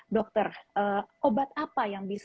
dokter obat apa yang bisa